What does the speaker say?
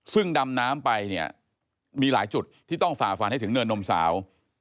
ซึ่งดำน้ำไปเนี่ยมีหลายจุดที่ต้องฝ่าฟันให้ถึงเนินนมสาว